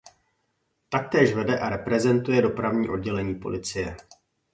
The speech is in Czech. Taktéž vede a reprezentuje dopravní oddělení policie.